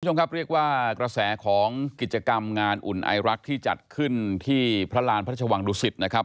คุณผู้ชมครับเรียกว่ากระแสของกิจกรรมงานอุ่นไอรักที่จัดขึ้นที่พระราณพระราชวังดุสิตนะครับ